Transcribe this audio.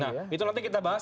nah itu nanti kita bahas